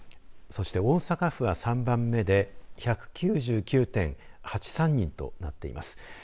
そして、大阪府は３番目で１９９．８３人となっています。